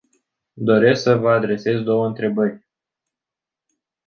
Doresc să vă adresez două întrebări.